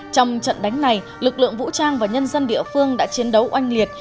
trong trận đánh này lực lượng vũ trang và nhân dân địa phương đã chiến đấu oanh liệt